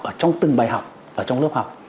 ở trong từng bài học ở trong lớp học